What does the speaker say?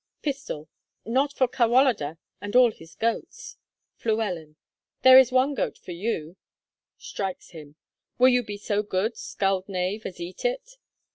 Pist. Not for Cadwallader, and all his goats. Flu. There is one goat for you. [Strikes him.] Will you be so good, scald knave, as eat it?